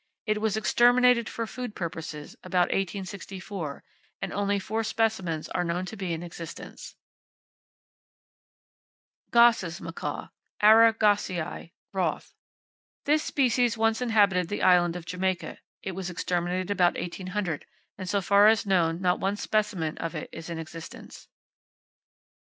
It was exterminated for food purposes, about 1864, and only four specimens are known to be in existence. [Page 15] [Page 16] Gosse's Macaw, —Ara gossei, (Roth.).—This species once inhabited the Island of Jamaica. It was exterminated about 1800, and so far as known not one specimen of it is in existence.